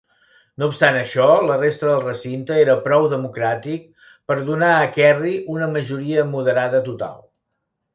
No obstant això, la resta del recinte era prou democràtic per a donar a Kerry una majoria moderada total.